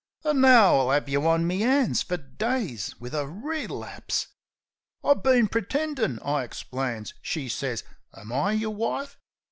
An' now I'll 'avc yeh on me 'ands fer days wiv a relapse!" "I been pretendin'," I ixplains. She sez, u Am I yer wife?